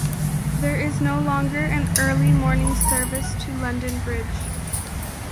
There is no longer an early morning service to London Bridge.